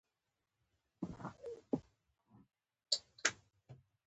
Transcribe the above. هغه نور یو یرغلګر نه بلکه ژغورونکی وو.